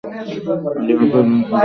আর Yakari ওদের পরাস্ত করল।